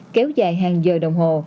kéo dài hàng giờ đồng hồ